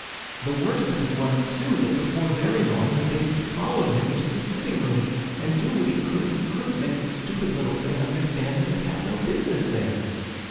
The worst of it was, too, that before very long the baby followed him into the sitting room, and, do what he could, he couldn't make the stupid little thing understand that it had no business there.